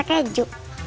gimana rasa kejunya